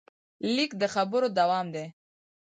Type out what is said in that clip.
لیک د خبرو دوام دی.